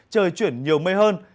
trời chuyển nhiều mây hơn